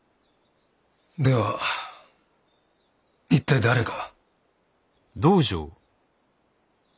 では一体誰が？